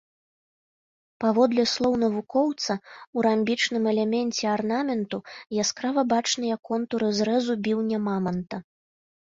Паводле слоў навукоўца, у рамбічным элеменце арнаменту яскрава бачныя контуры зрэзу біўня маманта.